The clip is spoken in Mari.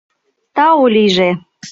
— Тау лийже